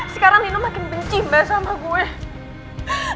sekarang nino makin benci mbak sama gue